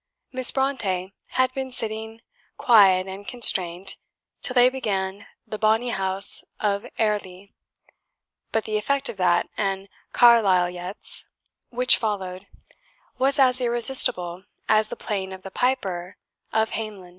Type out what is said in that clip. Miss Brontë had been sitting quiet and constrained till they began "The Bonnie House of Airlie," but the effect of that and "Carlisle Yetts," which followed, was as irresistible as the playing of the Piper of Hamelin.